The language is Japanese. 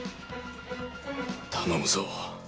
頼むぞ。